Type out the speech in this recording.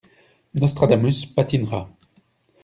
Nostradamus patinera.